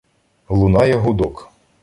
Лунає гудок.